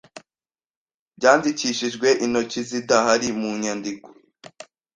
byandikishijwe intoki zidahari mu nyandiko